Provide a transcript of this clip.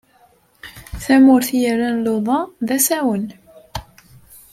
Tamurt i yerran luḍa d asawen.